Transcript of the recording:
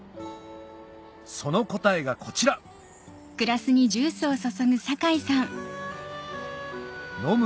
その答えがこちら飲む